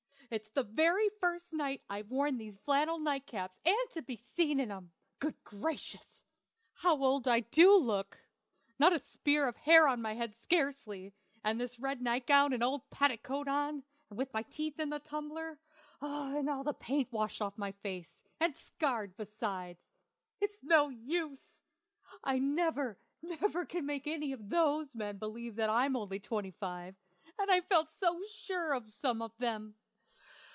It's the very first night I've worn these flannel night caps, and to be seen in 'em! Good gracious! how old I do look! Not a spear of hair on my head scarcely, and this red nightgown and old petticoat on, and my teeth in the tumbler, and the paint all washed off my face, and scarred besides! It's no use! I never, never can again make any of those men believe that I'm only twenty five, and I felt so sure of some of them.